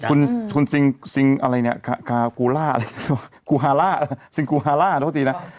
คุณซิงอะไรเนี่ยคาคูล่าเอฮ่าซิงกูฮาร้าโทษทีนะ